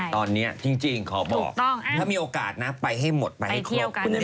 ตอนนี้จริงขอบอกถ้ามีโอกาสนะไปให้หมดไปให้ครบ